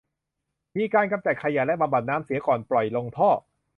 มีการกำจัดขยะและ บำบัดน้ำเสียก่อนปล่อยลงท่อ